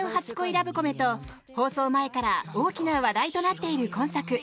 ラブコメと放送前から大きな話題となっている今作。